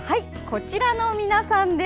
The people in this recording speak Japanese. こちらの皆さんです。